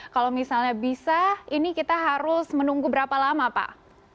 kalau misalnya bisa ini kita harus menunggu berapa lama pak